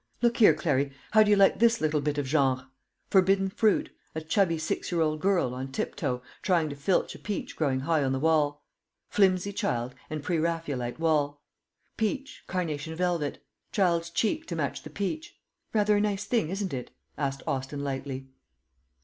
Look here, Clary, how do you like this little bit of genre? 'Forbidden Fruit' a chubby six year old girl, on tiptoe, trying to filch a peach growing high on the wall; flimsy child, and pre Raphaelite wall. Peach, carnation velvet; child's cheek to match the peach. Rather a nice thing, isn't it?" asked Austin lightly.